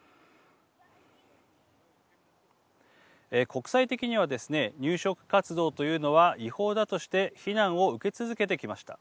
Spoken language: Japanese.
国際的にはですね入植活動というのは違法だとして非難を受け続けてきました。